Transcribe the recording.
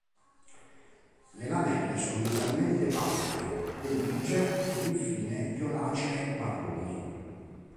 Le lamelle sono inizialmente pallide, poi grigie, ed infine violacee-marroni.